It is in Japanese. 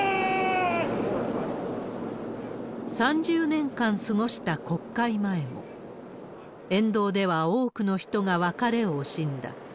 ３０年間過ごした国会前も、沿道では多くの人が別れを惜しんだ。